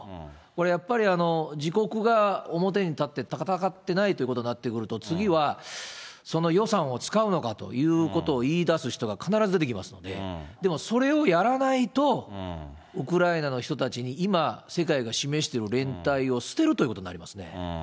これやっぱり、自国が表に立って戦ってないということになってくると、次はその予算を使うのかということを言い出す人が必ず出てきますんで、でもそれをやらないと、ウクライナの人たちに今、世界が示している連帯を捨てるということになりますね。